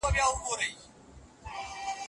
لارښود به د شاګرد لیکنه کره کړي.